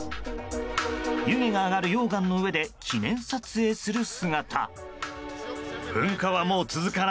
湯気が上がる溶岩の上で記念撮影する姿。